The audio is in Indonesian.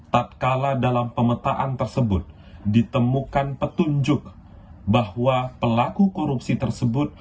tak kala dalam pemetaan tersebut ditemukan petunjuk bahwa pelaku korupsi tersebut